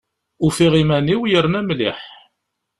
Ufiɣ iman-iw yerna mliḥ.